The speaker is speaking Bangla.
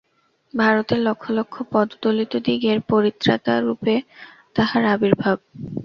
ভারতের লক্ষ লক্ষ পদদলিতদিগের পরিত্রাতারূপে তাঁহার আবির্ভাব।